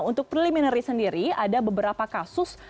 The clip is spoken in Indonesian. untuk preliminary sendiri ada beberapa kasus